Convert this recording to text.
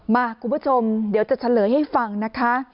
คุณผู้ชมเดี๋ยวจะเฉลยให้ฟังนะคะ